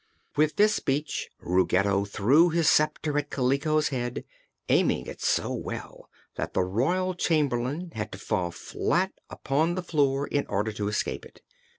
With this speech Ruggedo threw his sceptre at Kaliko's head, aiming it so well that the Royal Chamberlain had to fall flat upon the floor in order to escape it.